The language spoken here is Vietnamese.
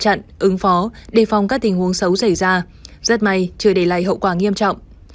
trận ứng phó đề phòng các tình huống xấu xảy ra rất may chưa để lại hậu quả nghiêm trọng